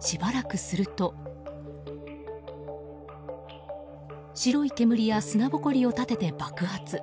しばらくすると白い煙や砂ぼこりを立てて爆発。